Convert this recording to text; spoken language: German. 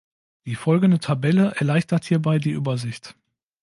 Die folgende Tabelle erleichtert hierbei die Übersicht.